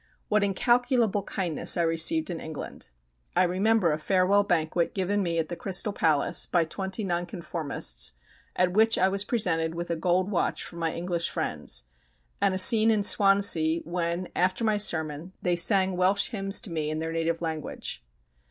What incalculable kindness I received in England! I remember a farewell banquet given me at the Crystal Palace by twenty Nonconformists, at which I was presented with a gold watch from my English friends; and a scene in Swansea, when, after my sermon, they sang Welsh hymns to me in their native language.